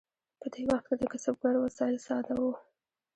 په دې وخت کې د کسبګرو وسایل ساده وو.